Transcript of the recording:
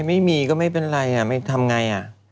ไม่มีก็ไม่เป็นไรไม่ทำไง